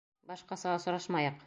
Башҡаса осрашмайыҡ.